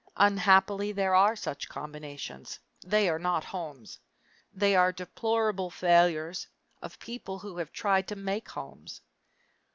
Unhappily, there are such combinations; they are not homes! They are deplorable failures of people who have tried to make homes.